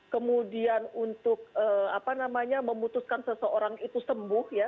kemudian untuk memutuskan seseorang itu sembuh ya